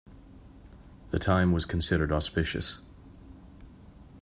The time was considered auspicious.